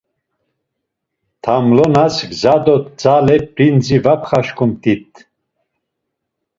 Tamlonas gza do tzale p̌rindzi var pxaşǩumt̆it.